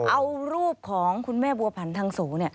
เอารูปของคุณแม่บัวผันทางโส